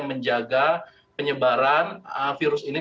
menjaga penyebaran virus ini